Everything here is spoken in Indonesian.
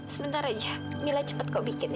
sebentar aja mila cepat kok bikin ya